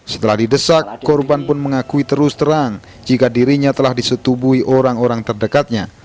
setelah didesak korban pun mengakui terus terang jika dirinya telah disetubui orang orang terdekatnya